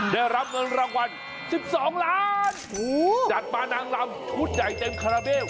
ได้รับเงินรางวัล๑๒ล้านจัดมานางลำชุดใหญ่เต็มคาราเบล